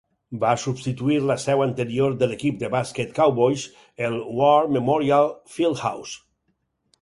Va substituir la seu anterior de l'equip de bàsquet Cowboys, el War Memorial Fieldhouse.